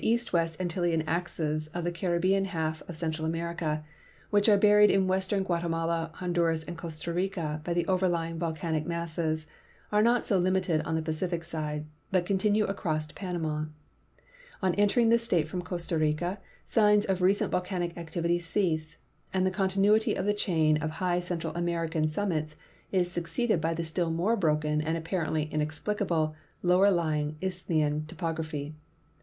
THE KANSAS RIVER 181 The western termini of the east west Antillean axes of the Caribbean half of Central America, which are buried in western Guatemala, Honduras, and Costa Rica by the overlying volcanic masses, are not so limited on the Pacific side, but continue across Panama. On entering this state from Costa Rica signs of recent volcanic activity cease, and the continuity of the chain of high Central American summits is succeeded by the still more broken and apparently inexplicable lower lying Isthmian topography.